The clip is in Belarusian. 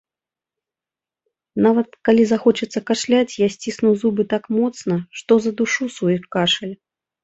Нават, калі захочацца кашляць, я сцісну зубы так моцна, што задушу свой кашаль.